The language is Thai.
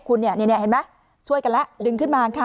คุณเนี่ยเห็นมั้ยช่วยกันล่ะดึงขึ้นมาค่ะ